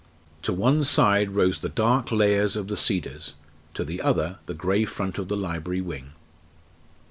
To one side rose the dark layers of the cedars; to the other, the grey front of the library wing.